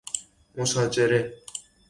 مشاجره